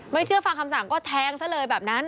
เชื่อฟังคำสั่งก็แทงซะเลยแบบนั้น